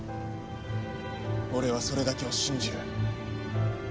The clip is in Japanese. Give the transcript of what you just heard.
俺はそれだけを信じる。